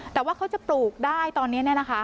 แต่ว่าเขาจะปลูกได้ตอนนี้แน่นะคะ